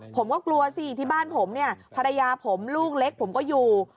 ผมก็กลัวสิที่บ้านผมเนี่ยภรรยาผมลูกเล็กผมก็อยู่